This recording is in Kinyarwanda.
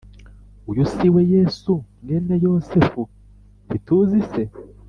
Uyu si we Yesu mwene Yosefu ntituzi se